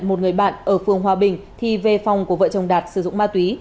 một người bạn ở phương hòa bình thì về phòng của vợ chồng đạt sử dụng ma túy